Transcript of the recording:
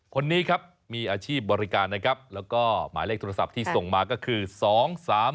คนนี้ครับมีอาชีพบริการนะครับแล้วก็หมายเลขโทรศัพท์ที่ส่งมาก็คือ๒๓๔